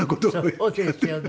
そうですよね。